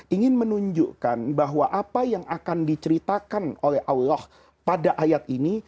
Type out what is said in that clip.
ingin menunjukkan bahwa apa yang akan diceritakan oleh allah pada ayat ini